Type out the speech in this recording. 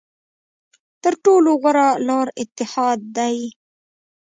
تر ټولو غوره لاره اتحاد دی.